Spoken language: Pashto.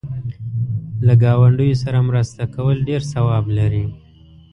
له گاونډیو سره مرسته کول ډېر ثواب لري.